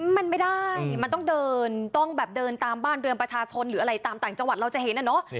มันไม่ได้มันต้องเดินต้องแบบเดินตามบ้านเรือนประชาชนหรืออะไรตามต่างจังหวัดเราจะเห็นอะเนาะ